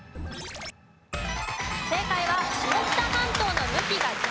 正解は下北半島の向きが逆。